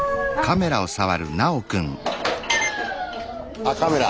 あっカメラ。